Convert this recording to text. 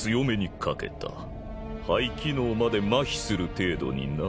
肺機能までまひする程度にな。